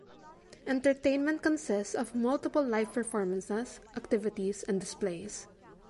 Entertainment consists of multiple live performances, activities and displays.